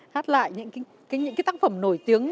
hát lại những cái tác phẩm nổi tiếng